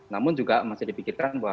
namun juga masih dipikirkan bahwa